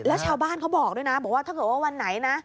แล้วชาวบ้านเขาบอกด้วยนะบอกว่าถ้าเกิดว่าวันไหนนะ